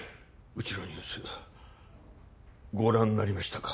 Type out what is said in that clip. うちのニュースご覧になりましたか？